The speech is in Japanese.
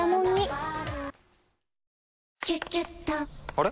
あれ？